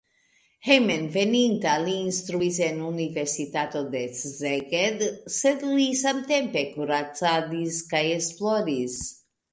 Hejmenveninta li instruis en universitato de Szeged, sed li samtempe kuracadis kaj esploris.